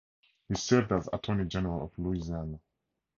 He served as Attorney General of Louisiana.